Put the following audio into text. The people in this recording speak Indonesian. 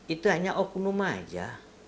itu hanya okunum aja